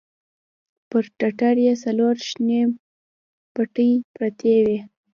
پر ټټر يې څلور شنې پټې پرتې وې.